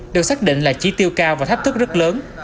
được xác định là chỉ tiêu cao và thách thức rất lớn